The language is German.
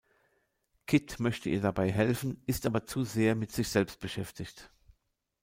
Kid möchte ihr dabei helfen, ist aber zu sehr mit sich selbst beschäftigt.